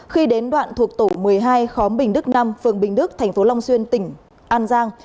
khi đến đoạn thuộc tổ một mươi hai khóm bình đức năm phường bình đức thành phố long xuyên tỉnh an giang